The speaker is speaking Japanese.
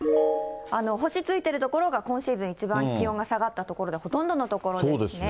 星ついている所が、今シーズン一番気温が下がった所で、ほとんどの所ですね。